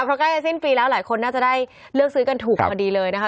เพราะใกล้จะสิ้นปีแล้วหลายคนน่าจะได้เลือกซื้อกันถูกพอดีเลยนะคะ